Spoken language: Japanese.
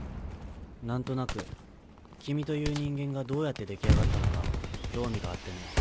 何となく君という人間がどうやってできあがったのか興味があってね。